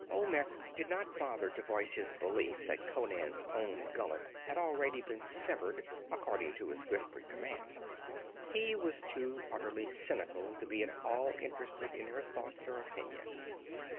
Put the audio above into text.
Olmec did not bother to voice his belief that Conan's own gullet had already been severed according to his whispered command. He was too utterly cynical to be at all interested in her thoughts or opinions.